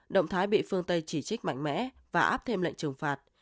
động thái bị phương tây chỉ trích mạnh mẽ và áp thêm lệnh trừng phạt